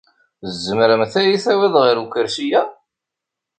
Tzemremt ad iyi-tawiḍ ar ukersi-a?